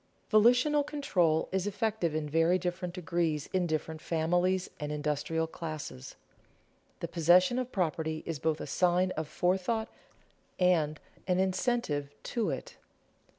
Volitional control is effective in very different degrees in different families and industrial classes. The possession of property is both a sign of forethought and an incentive to it.